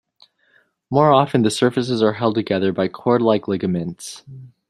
More often the surfaces are held together by cord-like ligaments.